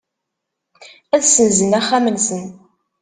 Ad ssenzen axxam-nsen.